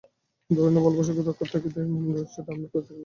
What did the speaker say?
ধরে নাও ভালোবাসাকে রক্ষার তাগিদে এই মধুচন্দ্রিমাটা আমরা পরিত্যাগ করলাম।